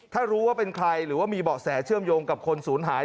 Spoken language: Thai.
ถ้ารู้ว่าเป็นใครหรือว่ามีเบาะแสเชื่อมโยงกับคนศูนย์หาย